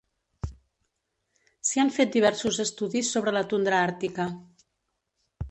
S'hi han fet diversos estudis sobre la tundra àrtica.